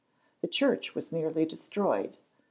The church was nearly destroyed.